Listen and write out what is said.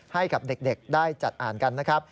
ให้กับเด็กได้จัดอ่านกันนะครับ